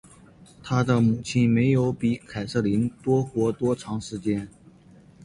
她的母亲没有比凯瑟琳多活多长时间。